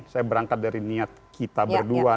saya berangkat dari niat kita berdua